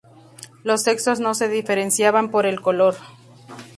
Los sexos no se diferenciaban por el color.